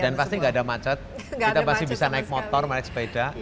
dan pasti nggak ada macet kita pasti bisa naik motor naik sepeda